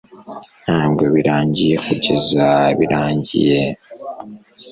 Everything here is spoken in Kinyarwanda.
Ntabwo birangiye kugeza birangiye.”